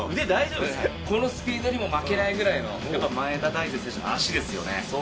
このスピードにも負けないぐらいの、前田大然選手の足ですよね。